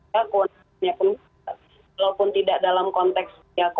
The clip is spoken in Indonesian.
walaupun tidak dalam konteks